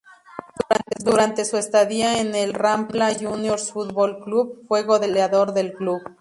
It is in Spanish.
Durante su estadía en el Rampla Juniors Fútbol Club, fue goleador del club.